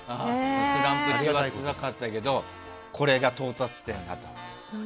スランプ中はつらかったけどこれが到達点だと。